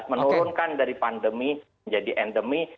menurunkan dari pandemi menjadi endemi